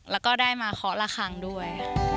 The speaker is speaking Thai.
แล้วก็ได้มาเคาะละครั้งด้วย